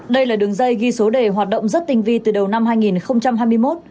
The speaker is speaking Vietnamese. đây là đường dây ghi số đề hoạt động rất tinh vi từ đầu năm hai nghìn hai mươi một